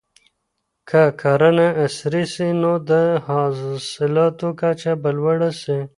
که کرنه عصري سي نو د حاصلاتو کچه به لوړه سي.